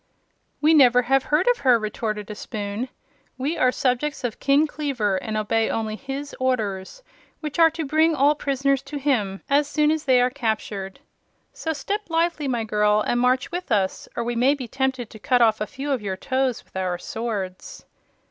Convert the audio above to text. "We have never heard of her," retorted a spoon. "We are subjects of King Kleaver, and obey only his orders, which are to bring all prisoners to him as soon as they are captured. So step lively, my girl, and march with us, or we may be tempted to cut off a few of your toes with our swords."